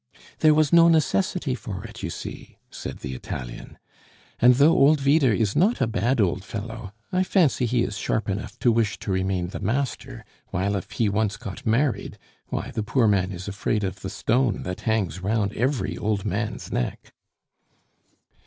"There was no necessity for it, you see," said the Italian. "And though old Vyder is not a bad old fellow, I fancy he is sharp enough to wish to remain the master, while if he once got married why, the poor man is afraid of the stone that hangs round every old man's neck."